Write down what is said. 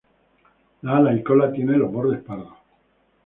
Las alas y cola tienen los bordes pardos.